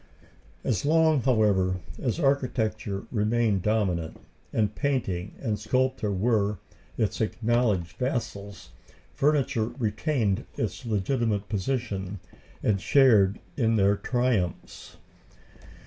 As long, however, as architecture remained dominant, and painting and sculpture were its acknowledged vassals, furniture retained its legitimate position and shared in their triumphs.